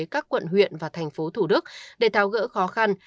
các quận huyện và thành phố thủ đức để tháo gỡ khó khăn